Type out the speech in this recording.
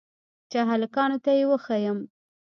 چې هلکانو ته يې وښييم.